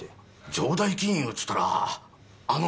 城代金融っていったらあの！